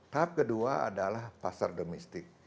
tahap kedua adalah pasar domestik